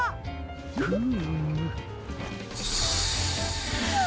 フーム。